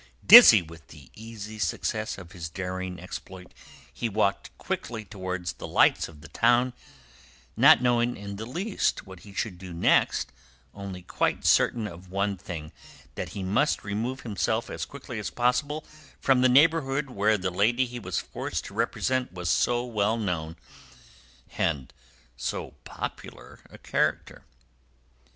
Dizzy with the easy success of his daring exploit, he walked quickly towards the lights of the town, not knowing in the least what he should do next, only quite certain of one thing, that he must remove himself as quickly as possible from the neighbourhood where the lady he was forced to represent was so well known and so popular a character.